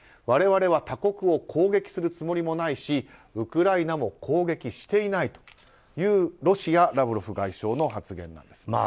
我々は他国を攻撃するつもりもないしウクライナも攻撃していないというロシア、ラブロフ外相の発言です。